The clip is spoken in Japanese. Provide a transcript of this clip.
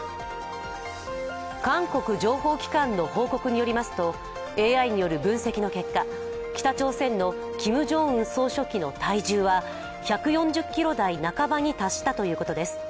韓国情報機関の報告によりますとＡＩによる分析の結果、北朝鮮のキム・ジョンウン総書記の体重は１４０ｋｇ台半ばに達したということです。